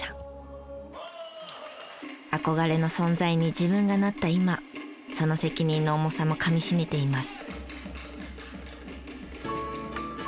憧れの存在に自分がなった今その責任の重さもかみ締めています。